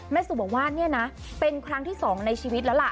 สุบอกว่าเนี่ยนะเป็นครั้งที่๒ในชีวิตแล้วล่ะ